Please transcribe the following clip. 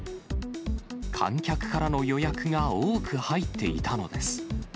観客からの予約が多く入っていたのです。